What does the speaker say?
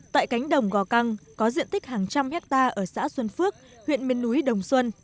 tại cánh đồng gò căng có diện tích hàng trăm hectare ở xã xuân phước huyện miền núi đồng xuân